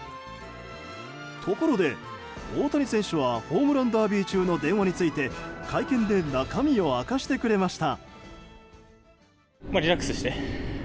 ところで、大谷選手はホームランダービー中の電話について会見で中身を明かしてくれました。